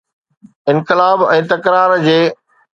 انقلاب ۽ تڪرار جي.